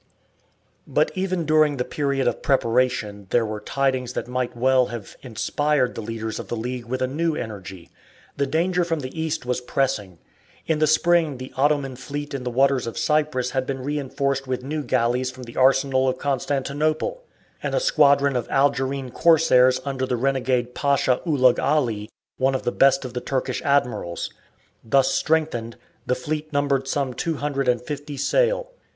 But even during the period of preparation there were tidings that might well have inspired the leaders of the League with a new energy. The danger from the East was pressing. In the spring the Ottoman fleet in the waters of Cyprus had been reinforced with new galleys from the arsenal of Constantinople, and a squadron of Algerine corsairs under the renegade Pasha Ulugh Ali, one of the best of the Turkish admirals. Thus strengthened, the fleet numbered some two hundred and fifty sail.